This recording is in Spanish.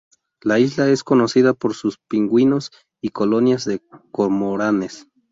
La isla es conocida por sus pingüinos y colonias de cormoranes.